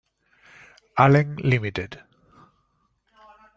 Allen Ltd.